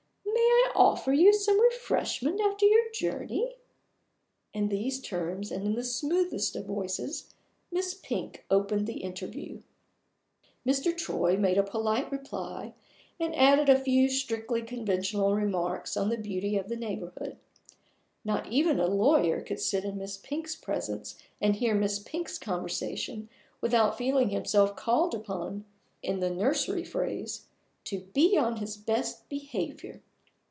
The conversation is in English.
May I offer you some refreshment after your journey?" In these terms and in the smoothest of voices, Miss Pink opened the interview. Mr. Troy made a polite reply, and added a few strictly conventional remarks on the beauty of the neighborhood. Not even a lawyer could sit in Miss Pink's presence, and hear Miss Pink's conversation, without feeling himself called upon (in the nursery phrase) to "be on his best behavior".